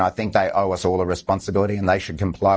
dan saya pikir mereka memiliki tanggung jawab yang baik